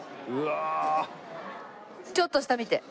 ちょっと下見て。